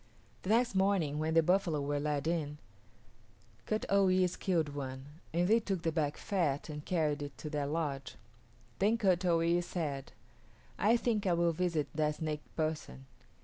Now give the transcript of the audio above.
The next morning when the buffalo were led in, Kut o yis´ killed one, and they took the back fat and carried it to their lodge. Then Kut o yis´ said, "I think I will visit that snake person."